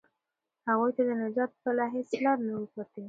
هغوی ته د نجات بله هیڅ لاره نه وه پاتې.